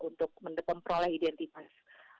untuk mendetemperoleh identitas